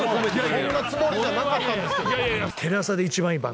そんなつもりじゃなかったんですけど。